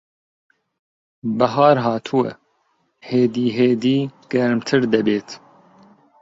بەھار ھاتووە. ھێدی ھێدی گەرمتر دەبێت.